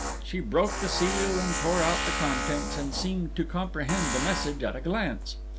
She broke the seal and tore out the contents, and seemed to comprehend the message at a glance.